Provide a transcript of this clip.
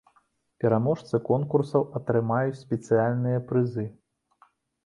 Пераможцы конкурсаў атрымаюць спецыяльныя прызы.